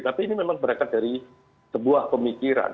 tapi ini memang berangkat dari sebuah pemikiran